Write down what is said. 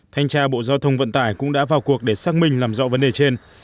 thanh tra bộ giao thông vận tải cũng đã vào cuộc để xác minh làm rõ vấn đề trên